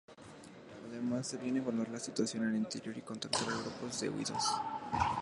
Además debían evaluar la situación en el interior y contactar con grupos de huidos.